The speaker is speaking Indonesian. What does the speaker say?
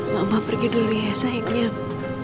mama pergi dulu ya sayang